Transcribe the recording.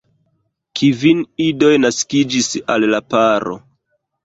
Kvin idoj naskiĝis al la paro.